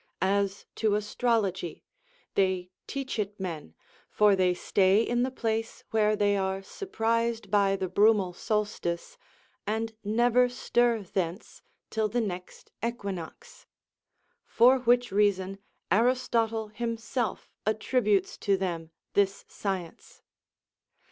As to astrology, they teach it men, for they stay in the place where they are surprised by the brumal solstice, and never stir thence till the next equinox; for which reason Aristotle himself attributes to them this science.